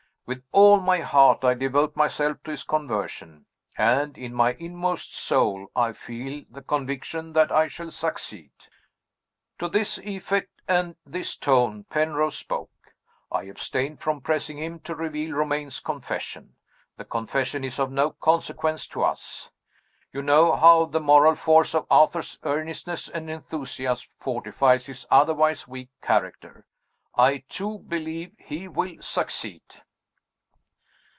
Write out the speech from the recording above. With all my heart I devote myself to his conversion and, in my inmost soul, I feel the conviction that I shall succeed!' "To this effect, and in this tone, Penrose spoke. I abstained from pressing him to reveal Romayne's confession. The confession is of no consequence to us. You know how the moral force of Arthur's earnestness and enthusiasm fortifies his otherwise weak character. I, too, believe he will succeed.